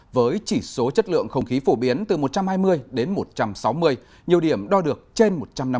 với chỉ số chất lượng không khí phổ biến từ một trăm hai mươi đến một trăm sáu mươi nhiều điểm đo được trên một trăm năm mươi